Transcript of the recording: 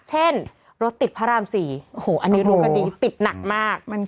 เช่นรถติดพระราม๔โอ้โหอันนี้รู้กันดีติดหนักมาก